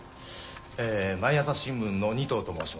え毎朝新聞の仁藤と申します。